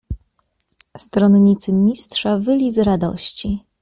"Stronnicy Mistrza wyli z radości."